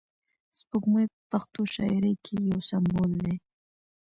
سپوږمۍ په پښتو شاعري کښي یو سمبول دئ.